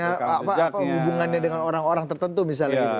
apa hubungannya dengan orang orang tertentu misalnya gitu